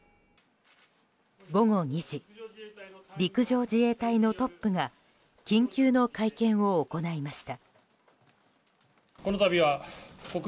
午後２時、陸上自衛隊のトップが緊急の会見を行いました。